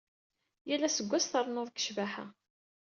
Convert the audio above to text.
Yal aseggas trennuḍ g ccbaḥa.